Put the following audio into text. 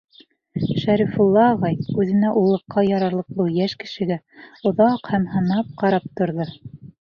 Шәрифулла ағай үҙенә уллыҡҡа ярарлыҡ был йәш кешегә оҙаҡ һәм һынап ҡарап торҙо.